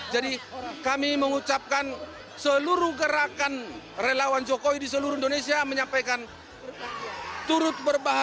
jadi kami mengucapkan seluruh gerakan relawan jokowi di seluruh indonesia menyampaikan turut berpengalaman